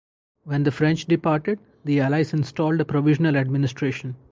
When the French departed, the Allies installed a provisional administration.